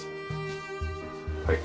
はい。